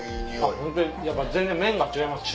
ホントに全然麺が違いますね。